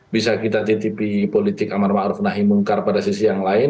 bisa kita titipi politik amar ma'ruf nahi mungkar pada sisi yang lain